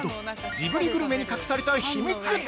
ジブリグルメに隠された秘密。